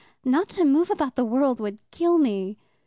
Not to move about the world would kill me."